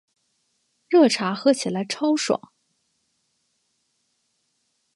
热茶喝起来超爽